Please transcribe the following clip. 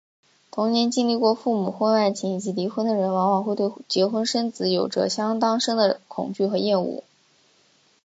童年经历过父母婚外情及离婚的人往往会对结婚生子有着相当深的恐惧和厌恶。